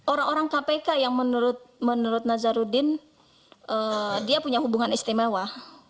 orang orang kpk yang menurut nazarudin dia punya hubungan istimewa